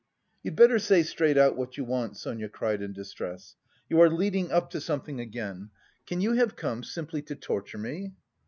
"You'd better say straight out what you want!" Sonia cried in distress. "You are leading up to something again.... Can you have come simply to torture me?"